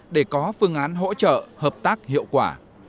để có phương án hỗ trợ hợp tác hiệu quả